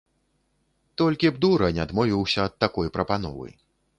Толькі б дурань адмовіўся ад такой прапановы.